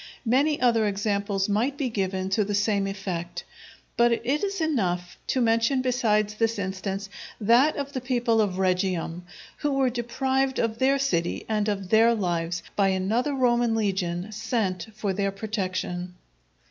Many other examples might be given to the same effect, but it is enough to mention besides this instance, that of the people of Regium, who were deprived of their city and of their lives by another Roman legion sent for their protection.